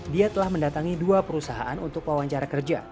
dia telah mendatangi dua perusahaan untuk wawancara kerja